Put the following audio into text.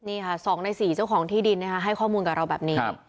นี่ค่ะ๒ใน๔เจ้าของที่ดินนะคะให้ข้อมูลกับเราแบบนี้